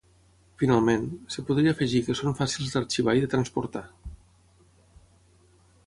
Finalment, es podria afegir que són fàcils d'arxivar i de transportar.